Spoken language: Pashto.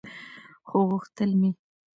خو غوښتل مې